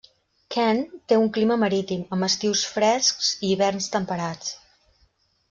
Kent té un clima marítim, amb estius frescs i hiverns temperats.